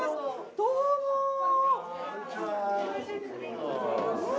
どうも！